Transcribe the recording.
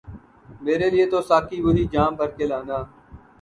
میرے لئے تو ساقی وہی جام بھر کے لانا